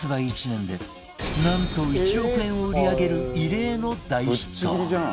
１年でなんと１億円を売り上げる異例の大ヒット